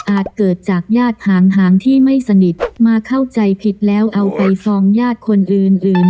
เกิดจากญาติห่างที่ไม่สนิทมาเข้าใจผิดแล้วเอาไปฟองญาติคนอื่นอื่น